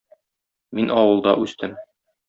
Мин авылда үстем.